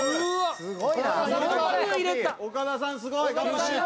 すごい！